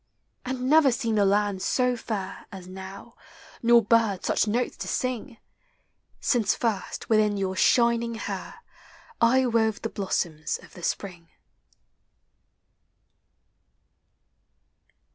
And never seemed the land so fair As now, nor birds such notes l«» sing. Since first within your shining hair I wove the blossoms of the spring.